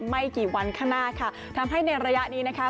ไม่กี่วันข้างหน้าค่ะทำให้ในระยะนี้นะคะ